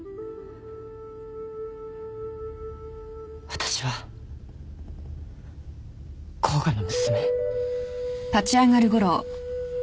私は甲賀の娘。